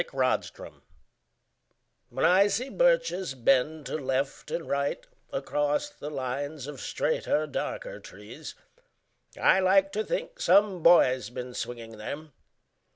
BIRCHES When I see birches bend to left and right Across the lines of straighter darker trees, I like to think some boy's been swinging them.